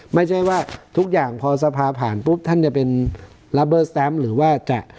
ไม่ใช่ว่าทุกอย่างพอสภาพผ่านปุ๊บท่านจะเป็นหรือว่าจะ